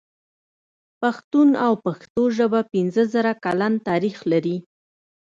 پښتون او پښتو ژبه پنځه زره کلن تاريخ لري.